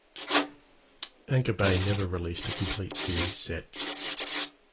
Anchor Bay never released a complete series set.